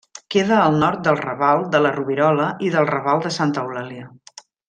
Queda al nord del Raval de la Rovirola i del Raval de Santa Eulàlia.